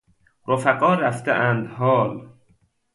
رفقا رفته اند حال